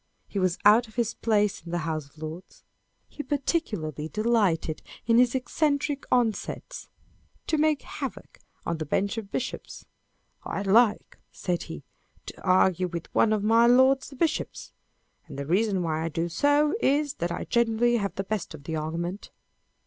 He was out of his place in the House of Lords. lie particularly delighted, in his eccentric onsets, to make havoc of the bench of bishops. " I like," said he, "to argue with one of my lords the bishops ; and the reason why I do so is, that I generally have the best of the argument."